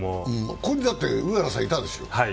ここに上原さん、いたんでしょ？